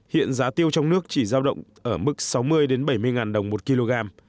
hiện giá tiêu trong nước chỉ giao động ở mức sáu mươi bảy mươi ngàn đồng một kg